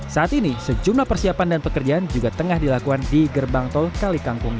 saat ini sejumlah persiapan dan pekerjaan juga tengah dilakukan di gerbang tol kali kangkung